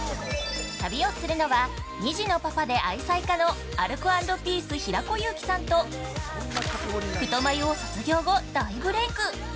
旅をするのは、２児のパパで愛妻家のアルコ＆ピース平子祐希さんと太まゆを卒業後大ブレーク。